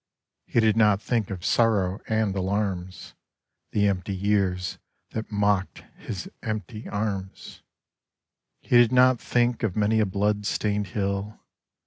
He did not think of sorrow and alarms, The empty years that mocked his empty arms ; He did not think of many a blood stained hill.